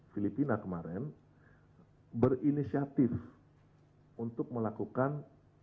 filipina kemarin berinisiatif untuk melakukan